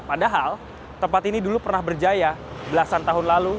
padahal tempat ini dulu pernah berjaya belasan tahun lalu